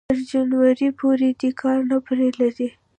تر جنوري پورې دې کار نه پرې لري